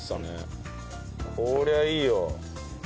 こりゃいいよ。